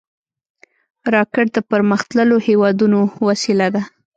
راکټ د پرمختللو هېوادونو وسیله ده